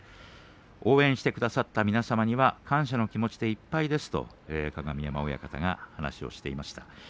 応援してくださった皆さんには感謝の気持ちでいっぱいですと鏡山親方は話をしていました。